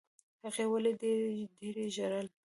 هغې ولي ډېر ډېر ژړل؟